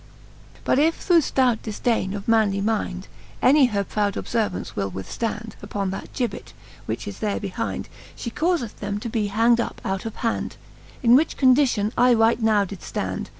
XXXII. But if through ftout difdaine of manly mind, Any her proud obfervance will withfland, Uppon that gibbet, which is there behind. She caufeth them be hang'd up out of hand ; In which condition I right now did fland.